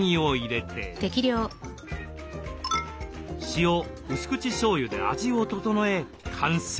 塩薄口しょうゆで味を調え完成。